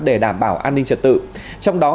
để đảm bảo an ninh trật tự trong đó